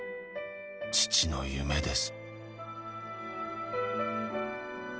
「父の夢です」